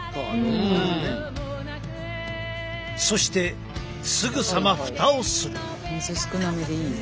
そしてすぐさまふたをする。